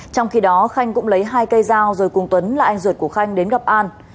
trong khi đó khanh cũng lấy hai cây dao rồi cùng tuấn là anh ruột của khanh đến gặp an